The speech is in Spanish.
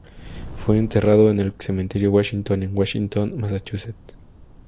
Fue enterrado en el cementerio Washington, en Washington, Massachusetts.